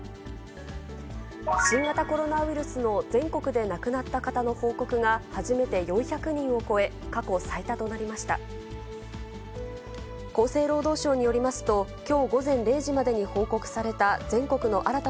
新型コロナウイルスの全国で亡くなった方の報告が、初めて４００人を超え、過去最多となりました。